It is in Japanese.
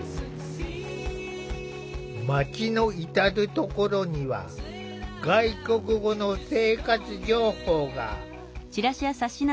町の至る所には外国語の生活情報が。